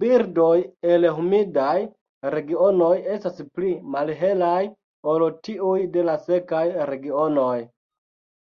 Birdoj el humidaj regionoj estas pli malhelaj ol tiuj de la sekaj regionoj.